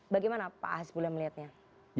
bagaimana pak azbulah melihatnya